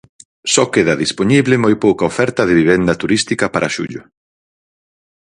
Só queda dispoñible moi pouca oferta de vivenda turística para xullo.